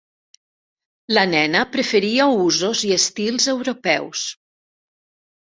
La nena preferia usos i estils europeus